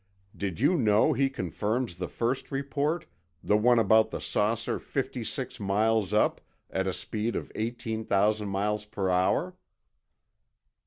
Did you know he confirms the first report—the one about the saucer 56 miles up, at a speed of eighteen thousand miles per hour.